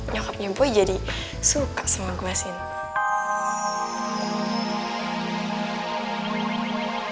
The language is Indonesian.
nyokapnya boy jadi suka sama gue sien